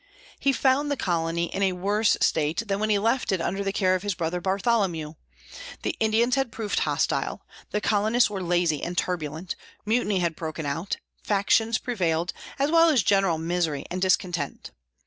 He found the colony in a worse state than when he left it under the care of his brother Bartholomew. The Indians had proved hostile; the colonists were lazy and turbulent; mutiny had broken out; factions prevailed, as well as general misery and discontent.